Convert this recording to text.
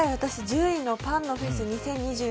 １０位のパンのフェス